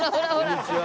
こんにちは。